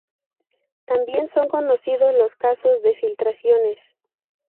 También son conocidos los casos de filtraciones